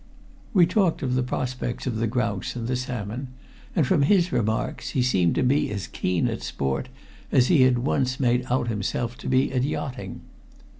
We talked of the prospects of the grouse and the salmon, and from his remarks he seemed to be as keen at sport as he had once made out himself to be at yachting.